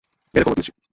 মেরে কবর দিয়েছি।